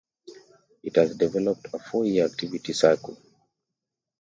It has developed a four-year activity cycle.